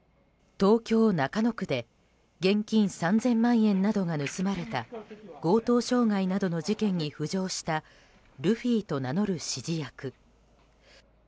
東京・中野区で現金３０００万円などが盗まれた強盗傷害などの事件に浮上したルフィと名乗る指示役。